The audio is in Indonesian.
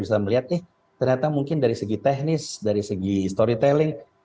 bisa melihat eh ternyata mungkin dari segi teknis dari segi storytelling